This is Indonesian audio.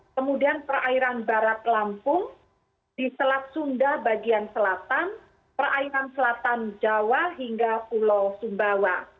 kemudian perairan barat lampung di selat sunda bagian selatan perairan selatan jawa hingga pulau sumbawa